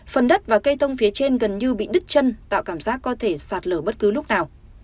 phần đất và cây thông phía trên gần như bị đứt chân tạo cảm giác có thể sạt lở bất cứ lúc nào